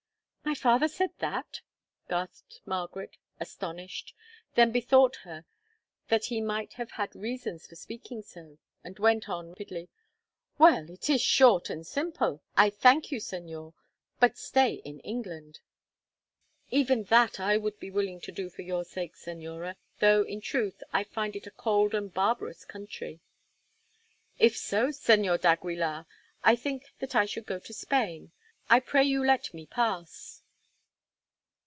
"My father said that?" gasped Margaret, astonished, then bethought her that he might have had reasons for speaking so, and went on rapidly, "Well, it is short and simple. I thank you, Señor; but I stay in England." "Even that I would be willing to do for your sake Señora, though, in truth, I find it a cold and barbarous country." "If so, Señor d'Aguilar, I think that I should go to Spain. I pray you let me pass."